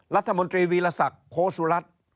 รัฐมนตรีวิทยาศักดิ์โขซุรัท